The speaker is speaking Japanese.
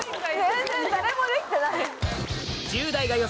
全然誰もできてない。